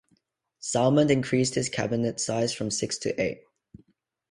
Salmond increased his cabinet size from six to eight.